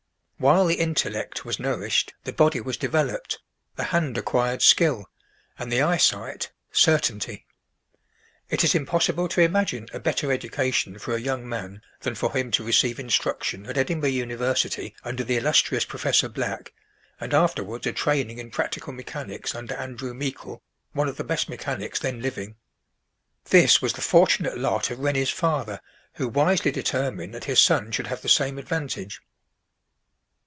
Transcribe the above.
While the intellect was nourished, the body was developed, the hand acquired skill, and the eyesight, certainty. It is impossible to imagine a better education for a young man than for him to receive instruction at Edinburgh University under the illustrious Professor Black, and afterwards a training in practical mechanics under Andrew Meikle, one of the best mechanics then living. This was the fortunate lot of Rennie's father, who wisely determined that his son should have the same advantage.